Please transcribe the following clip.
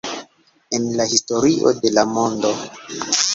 En la historio de la mondo